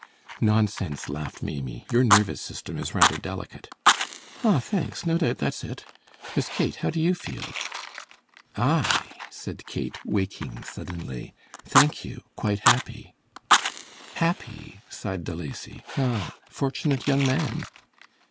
"Nonsense," laughed Maimie, "your nervous system is rather delicate." "Ah, thanks, no doubt that's it. Miss Kate, how do you feel?" "I," said Kate, waking suddenly, "thank you, quite happy." "Happy," sighed De Lacy. "Ah, fortunate young man!"